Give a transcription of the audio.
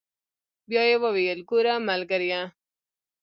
بيا يې وويل ګوره ملګريه.